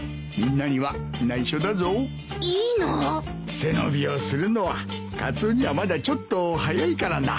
背伸びをするのはカツオにはまだちょっと早いからな。